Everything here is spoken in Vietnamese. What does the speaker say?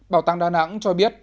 bảo tàng đà nẵng cho biết